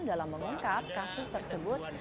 dalam mengungkap kasus tersebut